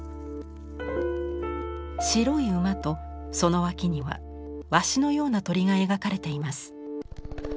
白い馬とその脇にはワシのような鳥が描かれています。